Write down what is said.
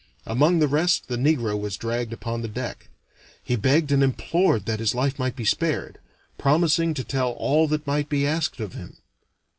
Among the rest the negro was dragged upon the deck. He begged and implored that his life might be spared, promising to tell all that might be asked of him.